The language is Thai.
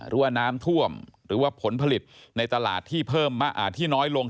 รั่วน้ำท่วมหรือว่าผลผลิตในตลาดที่น้อยลง